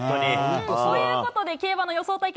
ということで競馬の予想対決